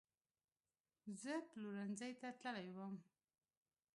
زه پلورنځۍ ته تللې وم